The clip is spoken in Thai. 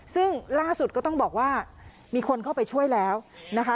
ซึ่งล่าสุดก็ต้องบอกว่ามีคนเข้าไปช่วยแล้วนะคะ